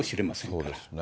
そうですね。